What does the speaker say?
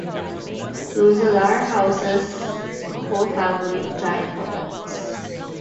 Roeselare houses a whole family of giant puppets.